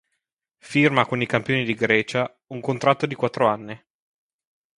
Firma con i Campioni di Grecia un contratto di quattro anni.